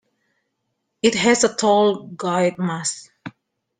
It has a tall guyed mast.